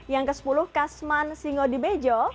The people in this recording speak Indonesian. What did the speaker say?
yang kesepuluh kasman singodibejo